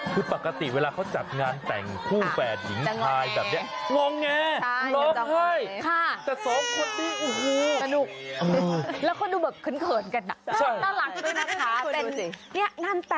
คือปกติเวลาจับงานแต่งคู่แฝดหญิงค่าย